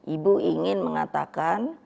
ibu ingin mengatakan